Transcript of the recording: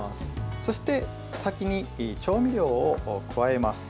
そして、先に調味料を加えます。